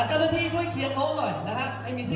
หลักเจ้าหน้าที่ช่วยเคลียร์โต๊ะหน่อย